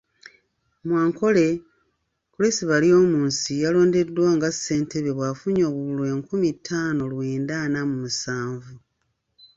Mu Ankole, Chris Baryomunsi yalondeddwa nga Ssentebe bw'afunye obululu enkumi ttaano lwenda ana mu musanvu.